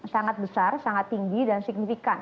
sangat besar sangat tinggi dan signifikan